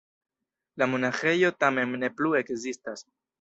La monaĥejo tamen ne plu ekzistas.